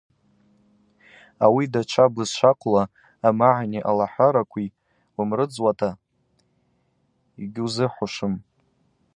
Ауи датша бызшвакӏла амагӏни алахӏваракви уымрыдзуата йгьузыхӏвушым.